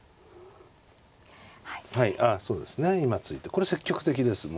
これ積極的です。